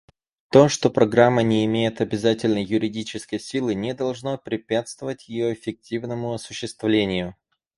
То, что Программа не имеет обязательной юридической силы, не должно препятствовать ее эффективному осуществлению.